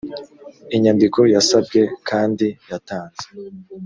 inyandiko yasabwe kandi yatanze